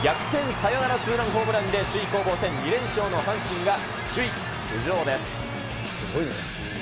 サヨナラツーランホームランで首位攻防戦２連勝の阪神すごいね。